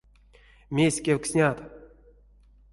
Мезть кевкстнят?